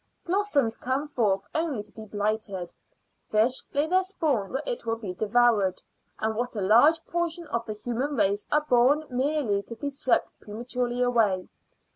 Blossoms come forth only to be blighted; fish lay their spawn where it will be devoured; and what a large portion of the human race are born merely to be swept prematurely away!